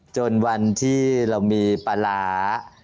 จนวันที่เรามีปลาร้า